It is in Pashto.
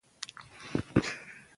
ژوند خوږ دی نو راځئ چې ژوند زده کړو